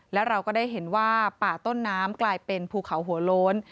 และเราก็ได้เห็นว่าป่าต้นน้ำกลายเป็นภูเขาหัวโล้น